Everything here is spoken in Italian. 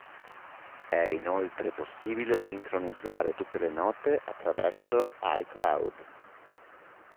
È inoltre possibile sincronizzare tutte le note attraverso iCloud.